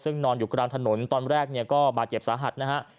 ซึ่งนอนอยู่กลางถนนตอนแรกเนี่ยก็บาดเจ็บสาหัสนะฮะ